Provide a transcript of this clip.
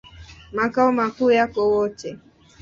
Makao makuu yako Wote.